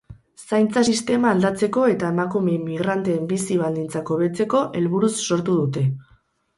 Zaintza sistema aldatzeko eta emakume migranteen bizi baldintzak hobetzeko helburuz sortu dute.